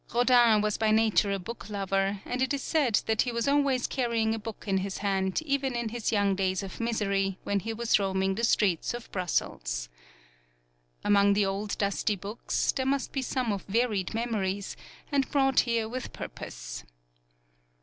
Rodin was by nature a book lover, and it is said that he was always carrying a book in his hand even in his young days of misery, when he was roaming the streets of Brussels. Among the old dusty books there must be some of varied memories and brought here with purpose.